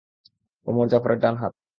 ওমর জাফরের ডান হাত!